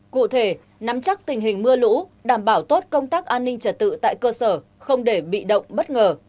cụ thể nắm chắc tình hình mưa lũ đảm bảo tốt công tác an ninh trật tự tại cơ sở không để bị động bất ngờ